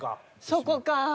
そこかぁ。